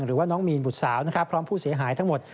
หรือว่าน้องมีนบุตรสาวพร้อมผู้เสียหายทั้งหมด